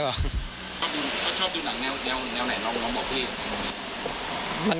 เขาชอบดูหนังแนวไหน